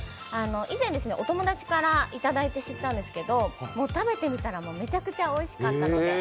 以前、お友達からいただいて知ったんですけど、食べてみたらめちゃくちゃおいしかったので。